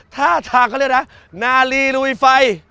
ท่าทางก็เรียกนะนาลีหลูไฟ